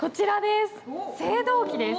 青銅器です。